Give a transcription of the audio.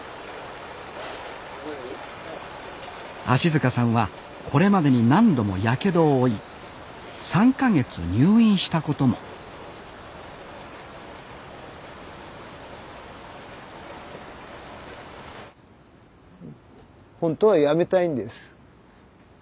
芦さんはこれまでに何度もやけどを負い３か月入院したこともほんとはやめたいんです。